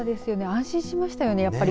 安心しましたよね。